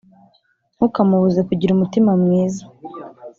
Ntukamubuze kugira umutima mwiza